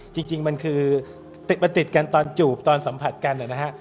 จริงมันคือติดมาติดกันตอนจูบตอนสัมผัสกันนะฮะ